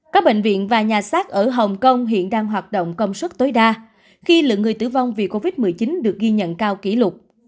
các bệnh viện và nhà sát ở hồng kông hiện đang hoạt động công suất tối đa khi lượng người tử vong vì covid một mươi chín được ghi nhận cao kỷ lục